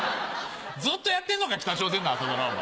ずっとやってんのか北朝鮮の朝ドラお前。